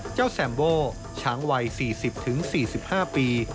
แซมโบช้างวัย๔๐๔๕ปี